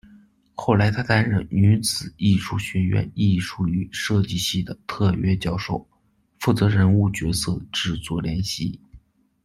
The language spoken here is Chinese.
后来，她担任女子艺术学院艺术与设计系的特邀教授，负责人物角色制作练习。